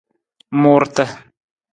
Muurata.